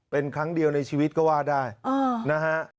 เป็นครั้งเดียวในชีวิตก็ว่าได้นะฮะ